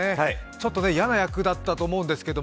ちょっと嫌な役だったと思うんですけど。